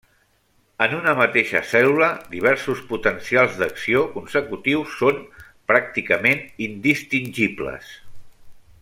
En una mateixa cèl·lula, diversos potencials d'acció consecutius són pràcticament indistingibles.